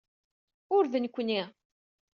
Ur d nekkni.